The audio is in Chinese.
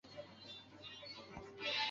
形象是骑白马的长须有角老者。